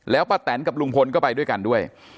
แล้วป้าแตนกับลุงพลก็ไปด้วยกันด้วย